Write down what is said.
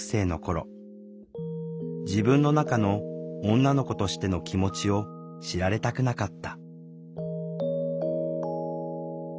自分の中の女の子としての気持ちを知られたくなかった。